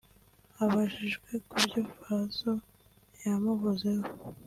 Abajijwe ku byo Fazzo yamuvuzeho